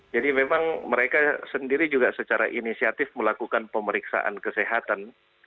jadi memang mereka sendiri juga secara inisiatif melakukan pemeriksaan kesehatan